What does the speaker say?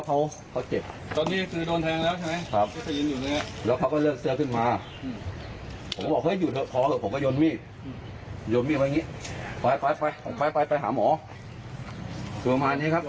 ครับผมไปไปหาหมอ